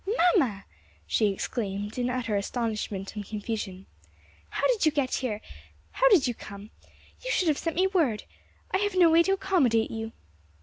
"Mamma!" she exclaimed in utter astonishment and confusion. "How did you get here? how did you come? You should have sent me word. I have no way to accommodate you."